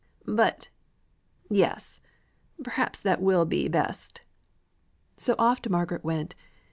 "But yes! perhaps that will be best." So off Margaret went.